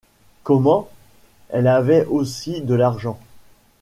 Comment ? elle avait aussi de l’argent !